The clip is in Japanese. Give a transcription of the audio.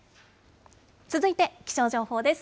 続いて気象情報です。